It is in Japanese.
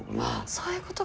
そういうことか。